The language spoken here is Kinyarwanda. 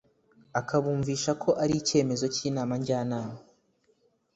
akabumvisha ko ari icyemezo cy’Inama Njyanama